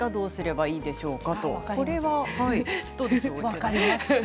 分かります。